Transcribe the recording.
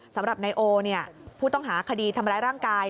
สำหรับนายโอผู้ต้องหาคดีทำร้ายร่างกาย